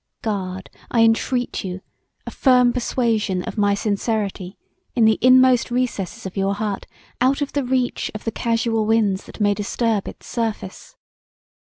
Guard, I entreat you, a firm persuasion of my sincerity in the inmost recesses of your heart out of the reach of the casual winds that may disturb its surface.